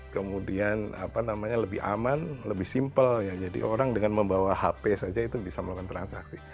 kemudian apa namanya lebih aman lebih simpel ya jadi orang dengan membawa hp saja itu bisa melakukan transaksi